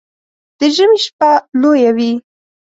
د ژمي شپه لويه وي